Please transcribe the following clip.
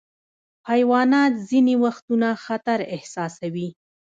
حیوانات ځینې وختونه خطر احساسوي.